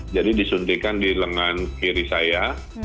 jadi disuntikan di lengan kiri saya